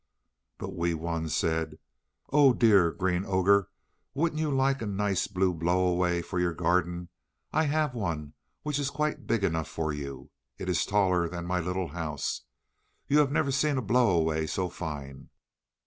But Wee Wun said: "Oh, dear Green Ogre, wouldn't you like a nice blue blow away for your garden? I have one which is quite big enough for you; it is taller than my little house. You have never seen a blow away so fine."